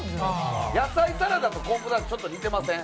やさいサラダとコンポタ、ちょっと似てません？